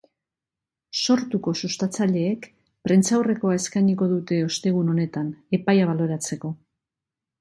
Sortuko sustatzaileek prentsaurrekoa eskainiko dute ostegun honetan, epaia baloratzeko.